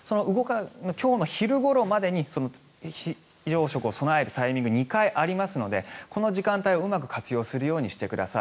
今日の昼ごろまでに非常食を備えるタイミング２回ありますのでこの時間帯をうまく活用するようにしてください。